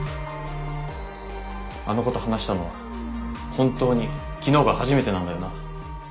あのこと話したのは本当に昨日が初めてなんだよな？